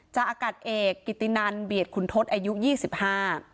อากาศเอกกิตินันเบียดขุนทศอายุยี่สิบห้า